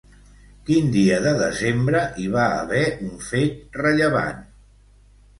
Quin dia de desembre hi va haver un fet rellevant?